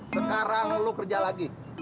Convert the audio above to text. sekarang lu kerja lagi